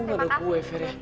untung ada gue vera